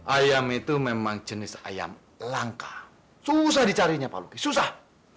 ayam itu memang jenis ayam langka susah dicarinya pak luki susah